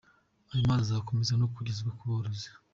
Ayo mazi azakomeza no kugezwa ku borozi.